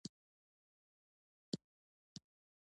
د روحي فشار لپاره د ګلاب اوبه وڅښئ